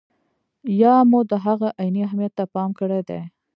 یا مو د هغه عیني اهمیت ته پام کړی دی.